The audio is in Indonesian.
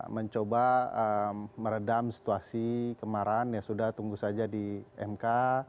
mencoba meredam situasi kemarin ya sudah tunggu saja di mk